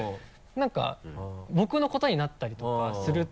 何か僕のことになったりとかすると。